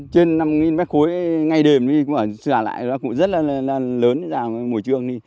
trên năm mét khối ngay đềm đi xả lại nó cũng rất là lớn vào mùa trường đi